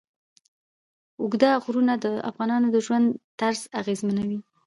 اوږده غرونه د افغانانو د ژوند طرز اغېزمنوي.